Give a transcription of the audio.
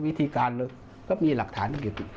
วิธีการก็มีหลักฐาน